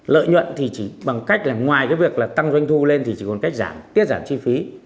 lợi nhuận thì chỉ bằng cách ngoài việc tăng doanh thu lên thì chỉ còn cách tiết giảm chi phí